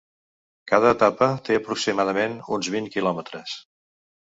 Cada etapa té aproximadament uns vint quilòmetres.